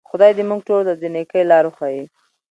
خدای دې موږ ټولو ته د نیکۍ لار وښیي.